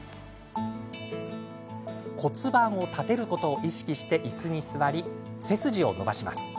骨盤を立てることを意識していすに座り、背筋を伸ばします。